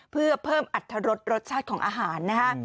เพื่อเพิ่มอัตรรสรสชาติของอาหารนะฮะ